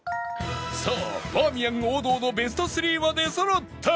さあバーミヤン王道のベスト３は出そろった